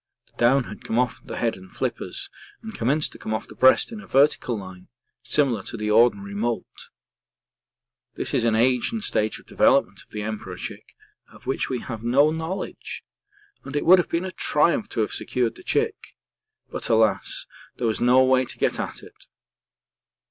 (The down had come off the head and flippers and commenced to come off the breast in a vertical line similar to the ordinary moult.) This is an age and stage of development of the Emperor chick of which we have no knowledge, and it would have been a triumph to have secured the chick, but, alas! there was no way to get at it.